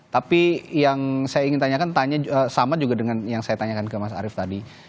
tapi yang saya ingin tanyakan sama juga dengan yang saya tanyakan ke mas arief tadi